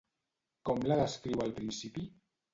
Com la descriu al principi?